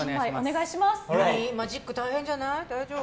マジック大変じゃない？